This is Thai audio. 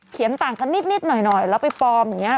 ต่างกันนิดหน่อยแล้วไปปลอมอย่างนี้